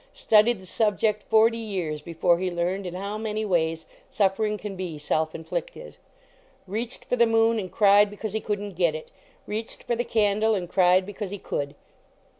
Studied the subject forty years before he learned in how many ways suffering can be self in flicted. Reached for the moon and cried because he couldn t get it. Reached for the candle and cried because he could.